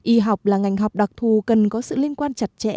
y học là ngành học đặc thù cần có sự liên quan chặt chẽ